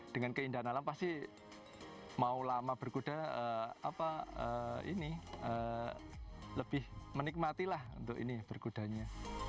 dengan keindahan alam pasti mau lama berkuda lebih menikmati lah untuk ini berkudanya